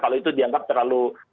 kalau itu dianggap terlalu